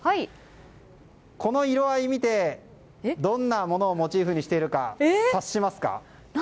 この色合いを見てどんなものをモチーフにしているか察しますか。